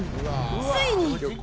ついに。